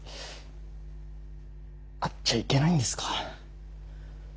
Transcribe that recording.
会っちゃいけないんですか。